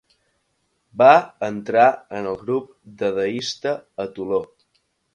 Va entrar en el grup dadaista a Toló.